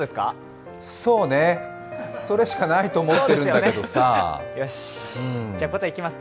それしかないと思ってるんだけどさ。